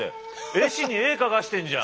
絵師に絵描かせてんじゃん！